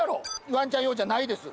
ワンちゃん用じゃないです。